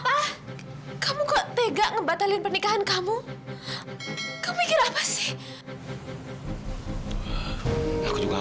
saat kamu mikir apa kamu kok tega ngebatalin pernikahan kamu ke mikir apa sih aku juga